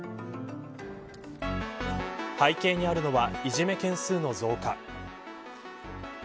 背景にあるのはいじめ件数の増加。